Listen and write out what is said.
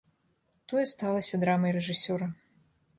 Тое сталася драмай рэжысёра.